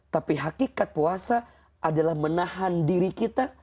tapi hakikat puasa adalah menahan diri kita